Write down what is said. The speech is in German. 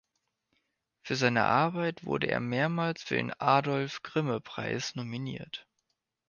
Für seine Arbeit wurde er mehrmals für den Adolf-Grimme-Preis nominiert.